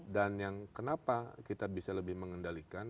dan yang kenapa kita bisa lebih mengendalikan